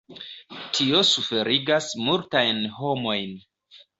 Tio suferigas multajn homojn.